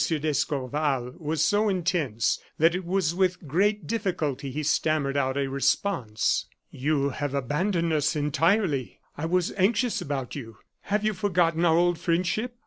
d'Escorval was so intense that it was with great difficulty he stammered out a response. "You have abandoned us entirely; I was anxious about you. Have you forgotten our old friendship?